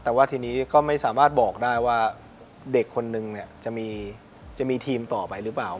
แต่ว่าทีนี้ก็ไม่สามารถบอกได้ว่าเด็กคนนึงจะมีทีมต่อไปหรือเปล่า